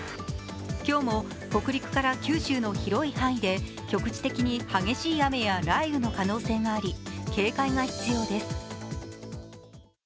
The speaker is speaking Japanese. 今日も北陸から九州の広い範囲で局地的に激しい雨や雷雨の可能性があり警戒が必要です。